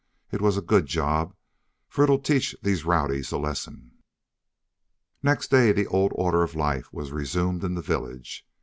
It was a good job, for it'll teach these rowdies a lesson." Next day the old order of life was resumed in the village.